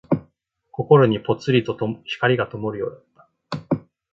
心にぽつりと灯がともるようだった。